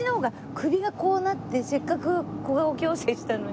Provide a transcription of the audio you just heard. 首がこうなってせっかく小顔矯正したのに。